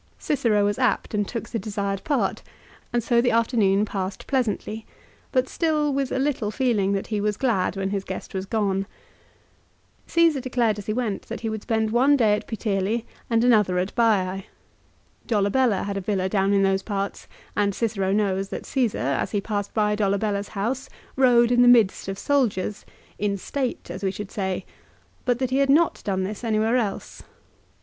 Cicero was apt and took the desired part, and so the afternoon passed pleasantly ; but still with a little feeling that he was glad when his guest was gone. 1 Caesar declared as he went that he would spend one day at Puteoli and another at Baise. Dolabella had a villa down in those parts, and Cicero knows that Csesar, as he passed by Dolabella's house, rode in the midst of soldiers, in state, as we should say ; but that he had not done this anywhere else.